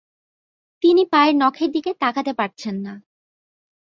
তিনি পায়ের নখের দিকে তাকাতে পারছেন না।